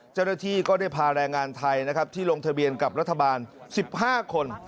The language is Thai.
เจ้าหน้าที่ก็ได้พาแรงงานไทยนะครับที่ลงทะเบียนกับรัฐบาล๑๕คน